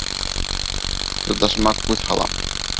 Юлдашыма күҙ һалам.